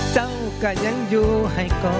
เจ้าก็ยังอยู่ให้ก่อ